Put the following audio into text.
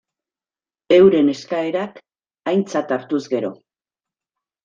Euren eskaerak aintzat hartuz gero.